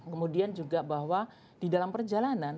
kemudian juga bahwa di dalam perjalanan